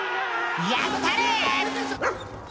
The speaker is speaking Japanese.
やったれ！